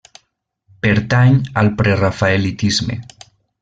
Pertany al Prerafaelitisme.